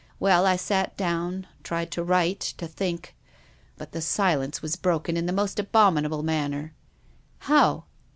Well, I sat down, tried to write, to think. But the si lence was broken in the most abominable man<. ner. "How?"